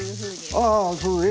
ああそうね。